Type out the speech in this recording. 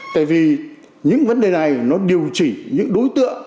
tại vì những vấn đề này nó điều chỉnh những đối tượng